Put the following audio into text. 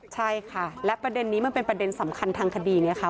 ใช่ค่ะและประเด็นนี้มันเป็นประเด็นสำคัญทางคดีไงคะ